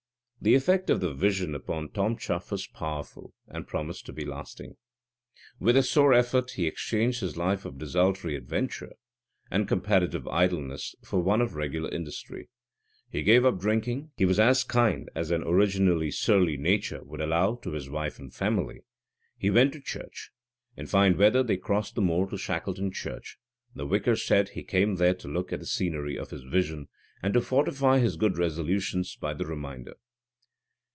The effect of the vision upon Tom Chuff was powerful, and promised to be lasting. With a sore effort he exchanged his life of desultory adventure and comparative idleness for one of regular industry. He gave up drinking; he was as kind as an originally surly nature would allow to his wife and family; he went to church; in fine weather they crossed the moor to Shackleton Church; the vicar said he came there to look at the scenery of his vision, and to fortify his good resolutions by the reminder.